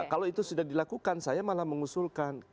kalau itu sudah dilakukan saya malah mengusulkan